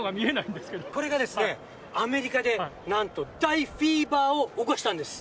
これがですね、アメリカでなんと大フィーバーを起こしたんです。